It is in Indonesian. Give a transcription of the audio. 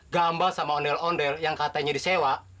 gambar sama ondel ondel yang katanya disewa